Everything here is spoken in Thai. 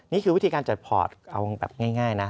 นี่คือวิธีการจัดพอร์ตเอาแบบง่ายนะ